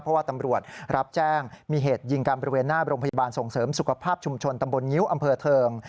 เพราะว่าตำรวจรับแจ้งมีเหตุยิงการบริเวณหน้าโรงพยาบาลส่งเสริมสุขภาพชุมชนตำบลงิ้วอำเภอเทิง